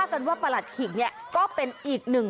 เขาถือที่แดง